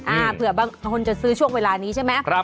เผื่อบางคนจะซื้อช่วงเวลานี้ใช่ไหม